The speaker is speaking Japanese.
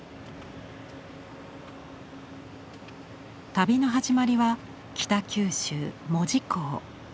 旅の始まりは北九州門司港。